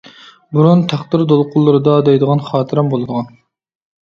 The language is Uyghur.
بۇرۇن «تەقدىر دولقۇنلىرىدا. » دەيدىغان خاتىرەم بولىدىغان.